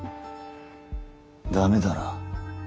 駄目だな。